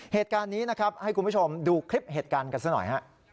เหตุการณ์นี้ให้คุณผู้ชมดูคลิปเหตุการณ์กันสิหน่อย